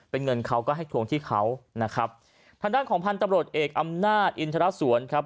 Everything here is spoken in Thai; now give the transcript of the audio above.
เป็นเงินเขาก็ให้ทวงที่เขานะครับทางด้านของพันธุ์ตำรวจเอกอำนาจอินทรสวนครับ